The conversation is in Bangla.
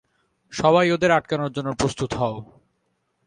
সবাই ওদের আটকানোর জন্য প্রস্তুত হও!